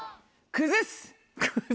崩す？